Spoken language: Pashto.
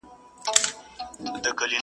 مندوشاه به کاڼه واچول غوږونه.!